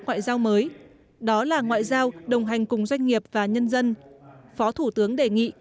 ngoại giao mới đó là ngoại giao đồng hành cùng doanh nghiệp và nhân dân phó thủ tướng đề nghị